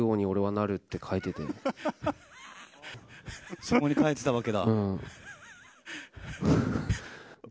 そこに書いてたわけだ。